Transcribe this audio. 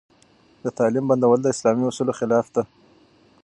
د تعليم بندول د اسلامي اصولو خلاف دي.